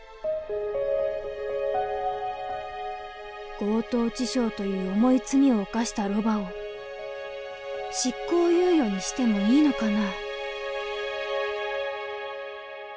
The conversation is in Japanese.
強盗致傷という重い罪を犯したロバを執行猶予にしてもいいのかな？